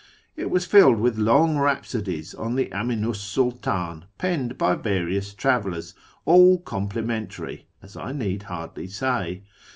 It was filled with long rhapsodies on the Aminu 's Sidtdn penned by various travellers, all compli mentary, as I need hardly say.